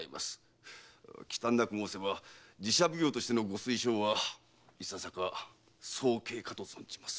忌憚なく申せば寺社奉行としての御推奨はいささか早計かと。